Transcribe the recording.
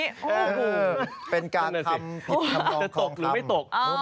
โอ้โฮเป็นการทำผิดคำลองของคำจะตกหรือไม่ตก